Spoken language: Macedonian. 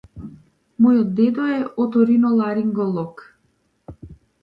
Мојот дедо е оториноларинголог.